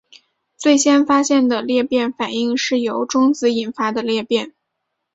最先发现的裂变反应是由中子引发的裂变。